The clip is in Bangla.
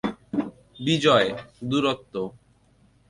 বিজয়, দূরত্ব।